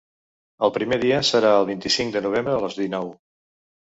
El primer dia serà el vint-i-cinc de novembre a les dinou.